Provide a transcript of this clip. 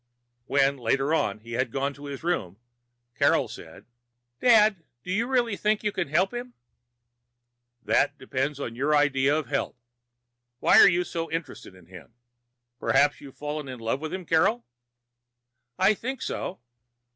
When, later on, he had gone to his room, Carol said, "Dad, do you really think you can help him?" "That depends on your idea of help. Why are you so interested in him? Perhaps you're falling in love with him, Carol?" "I think so."